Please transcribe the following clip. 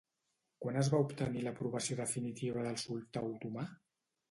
Quan es va obtenir l'aprovació definitiva del sultà otomà?